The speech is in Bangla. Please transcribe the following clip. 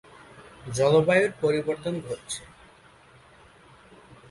জলবায়ুর পরিবর্তন ঘটছে।